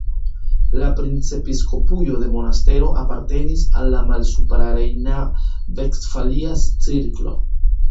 La princepiskopujo de Monastero apartenis al la Malsuprarejna-Vestfalia cirklo.